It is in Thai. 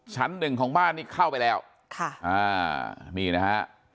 ชั้นหนึ่งของบ้านนี่เข้าไปแล้วค่ะอ่านี่นะฮะ